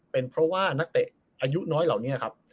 เป็นเพราะว่านักเตะอายุน้อยเหล่านี้ครับ